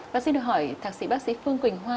và xin được hỏi thạc sĩ bác sĩ phương quỳnh hoa